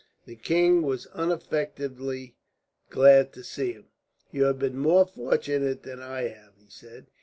The king was unaffectedly glad to see him. "You have been more fortunate than I have," he said.